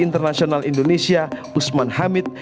internasional indonesia usman hamid